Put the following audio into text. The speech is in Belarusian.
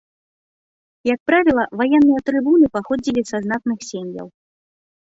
Як правіла, ваенныя трыбуны паходзілі са знатных сем'яў.